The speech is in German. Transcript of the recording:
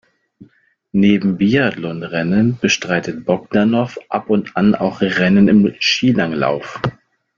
Neben Biathlonrennen bestreitet Bogdanow ab und an auch Rennen im Skilanglauf.